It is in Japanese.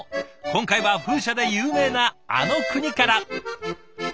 今回は風車で有名なあの国から。